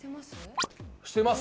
してます？